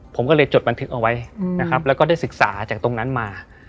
ผมก็เลยจดบันทึกเอาไว้นะครับแล้วก็ได้ศึกษาจากตรงนั้นมา